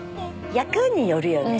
役によるよね。